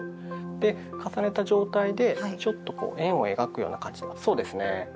で重ねた状態でちょっとこう円を描くような感じそうですね。